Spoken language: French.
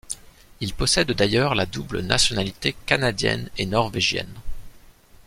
Il possède d'ailleurs la double nationalité canadienne et norvégienne.